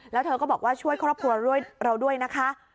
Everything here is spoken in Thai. แล้วเธอก็บอกว่าช่วยครอบครัวด้วยเราด้วยนะคะ